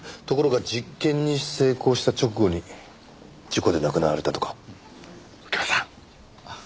ところが実験に成功した直後に事故で亡くなられたとか。右京さん！